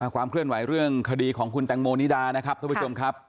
ความเคลื่อนไหวเรื่องคดีของคุณแตงโมนิดานะครับท่านผู้ชมครับ